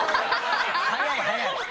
早い早い！